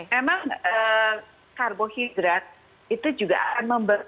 memang karbohidrat itu juga akan